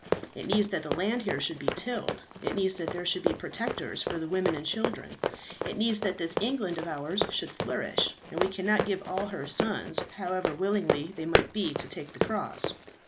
It needs that the land here should be tilled, it needs that there should be protectors for the women and children, it needs that this England of ours should flourish, and we cannot give all her sons, however willing they might be to take the cross.